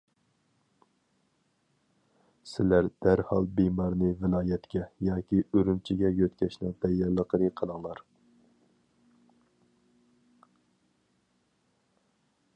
سىلەر دەرھال بىمارنى ۋىلايەتكە، ياكى ئۈرۈمچىگە يۆتكەشنىڭ تەييارلىقىنى قىلىڭلار.